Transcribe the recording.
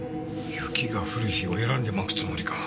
雪が降る日を選んでまくつもりか。